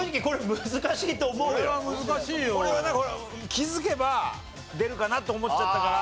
気づけば出るかなと思っちゃったから。